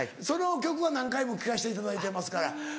その曲は何回も聴かせていただいてますから。